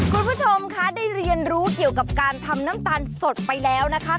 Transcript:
คุณผู้ชมคะได้เรียนรู้เกี่ยวกับการทำน้ำตาลสดไปแล้วนะคะ